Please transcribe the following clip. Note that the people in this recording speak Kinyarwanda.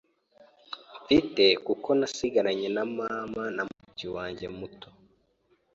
mfite kuko nasigaranye na mama na mushiki wanjye muto